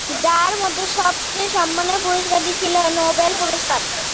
যার মধ্যে সবচেয়ে সম্মানের পুরস্কারটি ছিল নোবেল পুরস্কার।